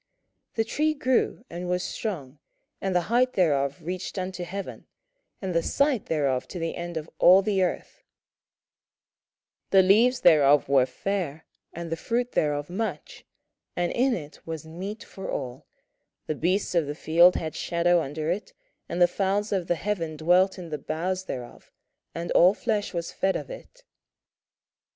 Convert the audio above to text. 27:004:011 The tree grew, and was strong, and the height thereof reached unto heaven, and the sight thereof to the end of all the earth: 27:004:012 The leaves thereof were fair, and the fruit thereof much, and in it was meat for all: the beasts of the field had shadow under it, and the fowls of the heaven dwelt in the boughs thereof, and all flesh was fed of it.